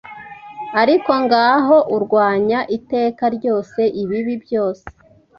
Ariko ngaho urwanya iteka ryose ibibi byose